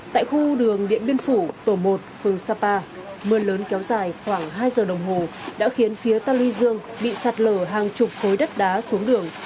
tại khu đường điện biên phủ tổ một phường sapa mưa lớn kéo dài khoảng hai giờ đồng hồ đã khiến phía ta luy dương bị sạt lở hàng chục khối đất đá xuống đường